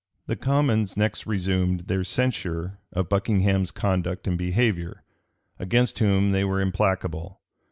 The commons next resumed their censure of Buckingham's conduct and behavior, against whom they were implacable.